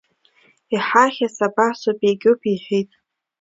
Иҳахьыз абасоуп-егьуп, иҳәит.